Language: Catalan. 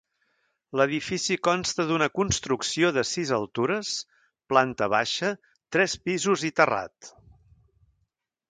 L'edifici consta d'una construcció de sis altures, planta baixa, tres pisos i terrat.